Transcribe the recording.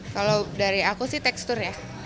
kalau dari aku sih teksturnya